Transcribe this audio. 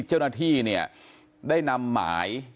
เจ้าหน้าที่เนี่ยได้นำหมาย